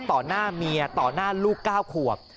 หน้าเมียต่อหน้าลูก๙ขวบ